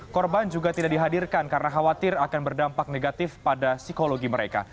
korban juga tidak dihadirkan karena khawatir akan berdampak negatif pada psikologi mereka